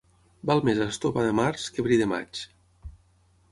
Val més estopa de març que bri de maig.